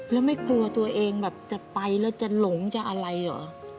แล้วไม่กลัวตัวเองแบบจะไปแล้วจะหลงจะอะไรเหรอ